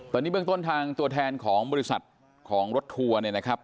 ตอนนี้เบื้องต้นทางตัวแทนของบริษัทของรถทัวร์เนี่ยนะครับ